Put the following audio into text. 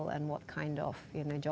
dan apa jenis peluang kerja